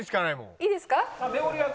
いいですか？